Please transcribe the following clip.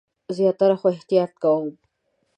زیاتره، خو احتیاط کوم